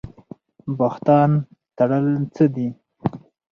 بهتان تړل څه دي؟